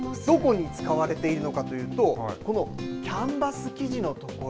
どこに使われているのかというとこのキャンバス生地のところ。